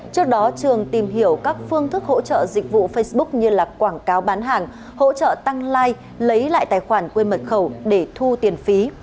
trước đó trường tìm hiểu các phương thức hỗ trợ dịch vụ facebook như là quảng cáo bán hàng hỗ trợ tăng like lấy lại tài khoản quê mật khẩu để thu tiền phí